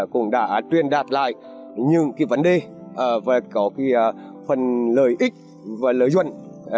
cũng đã truyền đạt lại những vấn đề và phần lợi ích và lợi dụng